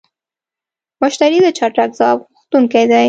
مشتری د چټک ځواب غوښتونکی دی.